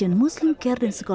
untuk penyerang bumi